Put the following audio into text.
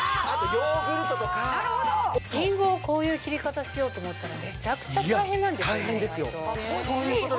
りんごをこういう切り方しようと思ったらめちゃくちゃ大変なんですよね意外と。